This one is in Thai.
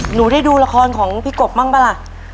หนูได้ดูละครของพี่กบบ้างป่ะล่ะ